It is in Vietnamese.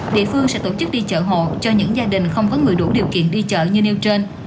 địa phương sẽ tổ chức đi chợ hộ cho những gia đình không có người đủ điều kiện đi chợ như nêu trên